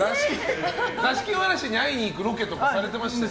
座敷わらしに会いに行くロケとかされてましたよね。